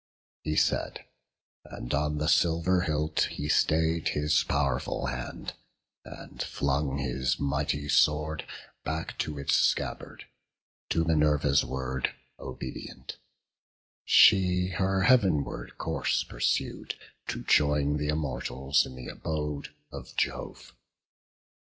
He said: and on the silver hilt he stay'd His pow'rful hand, and flung his mighty sword Back to its scabbard, to Minerva's word Obedient: she her heav'nward course pursued To join th' Immortals in th' abode of Jove.